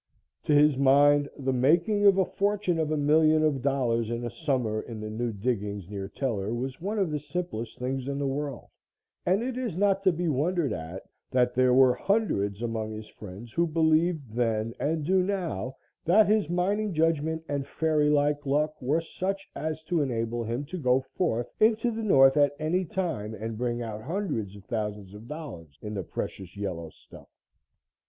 To his mind, the making of a fortune of a million of dollars in a summer in the new diggings near Teller was one of the simplest things in the world, and it is not to be wondered at that there were hundreds among his friends who believed then and do now that his mining judgment and fairy like luck were such as to enable him to go forth into the north at any time and bring out hundreds of thousands of dollars in the precious yellow stuff.